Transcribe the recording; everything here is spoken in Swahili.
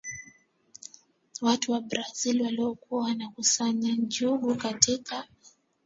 watu wa Brazil waliokuwa wanakusanya njugu katika